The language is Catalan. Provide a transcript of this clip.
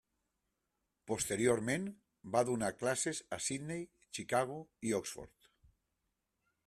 Posteriorment, va donar classes a Sydney, Chicago, i Oxford.